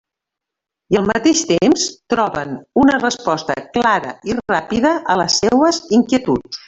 I al mateix temps, troben una resposta clara i ràpida a les seues inquietuds.